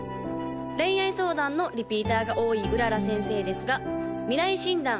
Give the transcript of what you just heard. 恋愛相談のリピーターが多い麗先生ですが未来診断